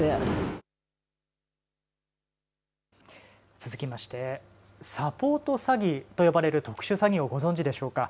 続きまして、サポート詐欺と呼ばれる特殊詐欺をご存じでしょうか。